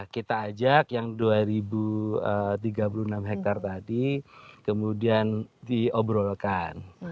kita ajak yang dua ribu tiga puluh enam hektare tadi kemudian diobrolkan